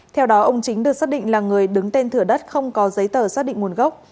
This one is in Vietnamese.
theo đó ông chính được xác định là người đứng tên thửa đất không có giấy tờ xác định nguồn gốc